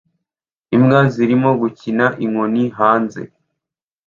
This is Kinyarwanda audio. Imbwa zirimo gukina inkoni hanze